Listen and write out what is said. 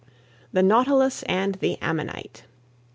THE NAUTILUS AND THE AMMONITE.